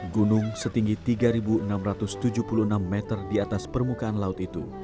gunung setinggi tiga enam ratus tujuh puluh enam meter di atas permukaan laut itu